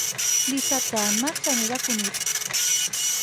Dissabte en Max anirà a Cunit.